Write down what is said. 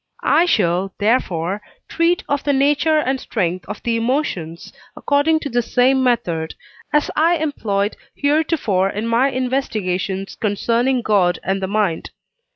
I shall, therefore, treat of the nature and strength of the emotions according to the same method, as I employed heretofore in my investigations concerning God and the mind.